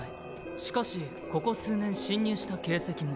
しかしここ数年侵入した形跡も。